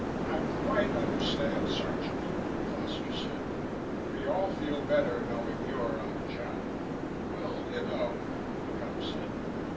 "I quite understand, Sergeant," Foster said. "We all feel better, knowing you're on the job." "Well, you know," the cop said.